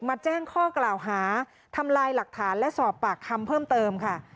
แจ้งข้อกล่าวหาทำลายหลักฐานและสอบปากคำเพิ่มเติมค่ะ